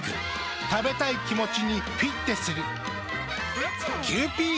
食べたい気持ちにフィッテする。